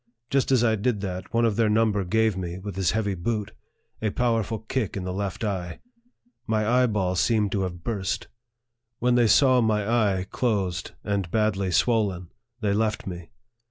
Just as I did that, one of their num ber gave me, with his heavy boot, a powerful kick in the left eye. My eyeball seemed to have burst. When they saw my eye closed, and badly swollen, they left me.